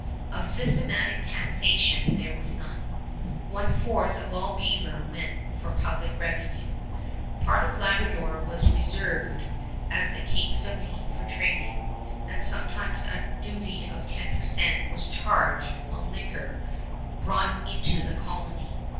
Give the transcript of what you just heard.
Of systematic taxation there was none. One fourth of all beaver went for public revenue. Part of Labrador was reserved as the King's Domain for trading, and sometimes a duty of ten per cent was charged on liquor brought into the colony.